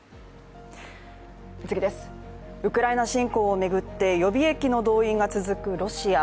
ウクライナ侵攻を巡って予備役の動員が続くロシア。